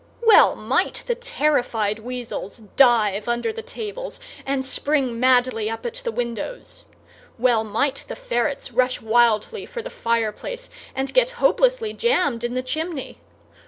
Well might the terrified weasels dive under the tables and spring madly up at the windows! Well might the ferrets rush wildly for the fireplace and get hopelessly jammed in the chimney!